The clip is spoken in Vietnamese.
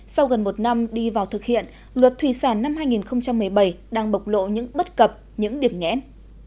sau gần một năm đi vào thực hiện luật thủy sản năm hai nghìn một mươi bảy đang bộc lộ những bất cập những điểm nghẽn